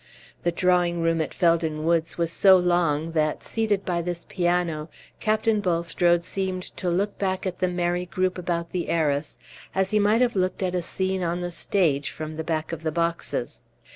The drawing room at Felden Woods was so long that, seated by this piano, Captain Bulstrode seemed to look back at the merry group about the heiress as he might have looked at a scene on the stage from the back of the boxes.